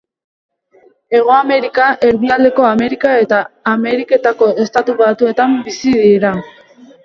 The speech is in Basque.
Hego Amerika, Erdialdeko Amerika eta Ameriketako Estatu Batuetan bizi dira.